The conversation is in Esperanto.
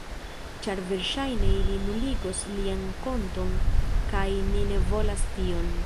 Ĉar verŝajne ili nuligos lian konton kaj ni ne volas tion.